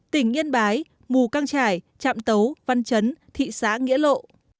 tỉnh yên bái mù căng trải trạm tấu văn chấn thị xã nghĩa lộ